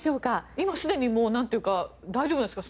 今すでに大丈夫ですか？